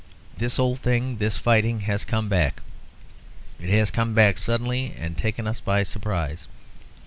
This old thing this fighting, has come back. It has come back suddenly and taken us by surprise.